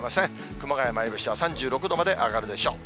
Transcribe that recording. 熊谷、前橋は３６度まで上がるでしょう。